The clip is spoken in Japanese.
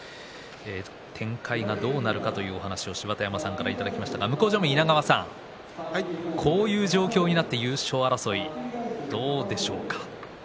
展開がどうなるかというお話を芝田山さんから伺いましたが向正面の稲川さん、こういう状況になって優勝争いどうでしょうか。